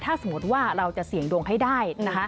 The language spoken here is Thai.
ถ้าสมมติว่าเราจะเสี่ยงดวงให้ได้นะคะ